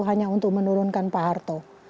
hanya untuk menurunkan pak harto